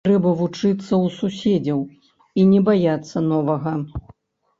Трэба вучыцца ў суседзяў і не баяцца новага.